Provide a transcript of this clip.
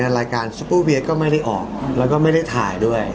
รายการซุปเปอร์เบียร์ก็ไม่ได้ออกแล้วก็ไม่ได้ถ่ายด้วย